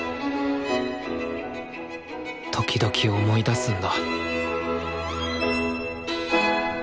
時々思い出すんだ。